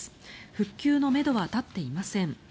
復旧のめどは立っていません。